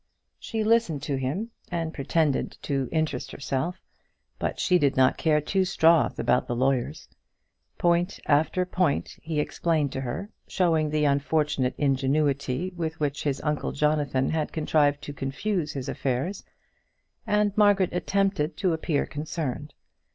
She listened to him, and pretended to interest herself, but she did not care two straws about the lawyers. Point after point he explained to her, showing the unfortunate ingenuity with which his uncle Jonathan had contrived to confuse his affairs, and Margaret attempted to appear concerned.